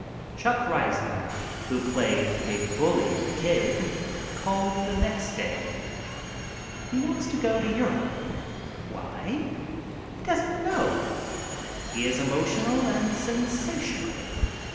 Chuck Reisner, who played the big bully in "The Kid," called the next day. He wants to go to Europe. Why? He doesn't know. He is emotional and sensational.